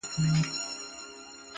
ستا خيال وفكر او يو څو خـــبـــري_